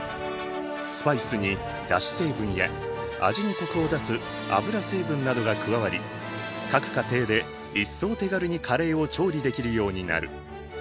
スパイスにだし成分や味にコクを出す油成分などが加わり各家庭で一層手軽にカレーを調理できるようになる。